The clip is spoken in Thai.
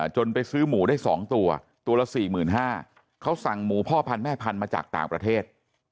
จนไปซื้อหมูได้๒ตัวตัวละ๔๕๐๐เขาสั่งหมูพ่อพันธุแม่พันธุ์มาจากต่างประเทศ